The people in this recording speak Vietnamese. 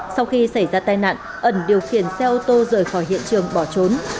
sau khi xảy ra tai nạn ẩn điều khiển xe ô tô rời khỏi hiện trường bỏ trốn